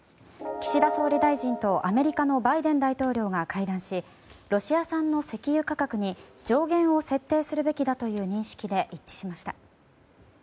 岸田総理大臣とアメリカのバイデン大統領が会談しロシア産の石油価格に上限を設定すべきだという認識で一致しました。